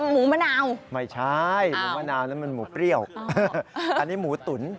หมูมะนาวไม่ใช่หมูมะนาวแล้วมันหมูเปรี้ยวอันนี้หมูตุ๋น